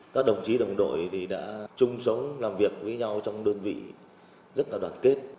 các đồng chí đồng đội đã chung sống làm việc với nhau trong đơn vị rất là đoàn kết